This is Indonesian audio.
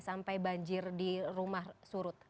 sampai banjir di rumah surut